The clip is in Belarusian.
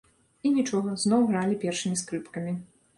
І нічога, зноў гралі першымі скрыпкамі.